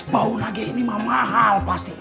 baunya aja ini mah mahal pasti